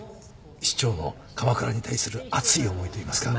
市長の鎌倉に対する熱い思いといいますか。